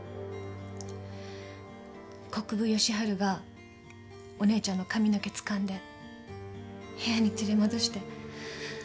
国府吉春がお姉ちゃんの髪の毛つかんで部屋に連れ戻して。